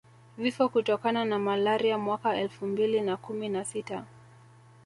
Vifo kutokana na malaria mwaka elfu mbili na kumi na sita